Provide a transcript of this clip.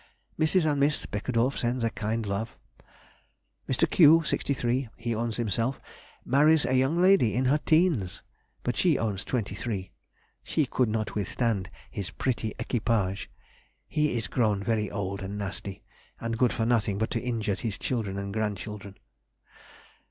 Mrs. and Miss Beckedorff send their kind love.... Mr. Q., 63, he owns himself, marries a young lady in her teens, but she owns 23; she could not withstand his pretty equipage. He is grown very old and nasty, and good for nothing but to injure his children and grand children.